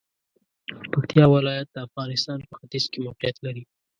پکتیا ولایت د افغانستان په ختیځ کې موقعیت لري.